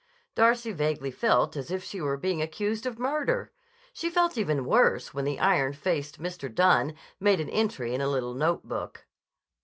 Darcy vaguely felt as if she were being accused of murder. She felt even worse when the iron faced Mr. Dunne made an entry in a little notebook.